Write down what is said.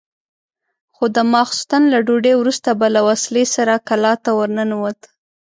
خو د ماخستن له ډوډۍ وروسته به له وسلې سره کلا ته ورننوت.